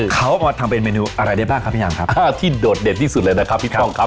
เขามาทำเป็นเมนูอะไรได้บ้างครับพยายามครับถ้าที่โดดเด่นที่สุดเลยนะครับพี่ป้องครับ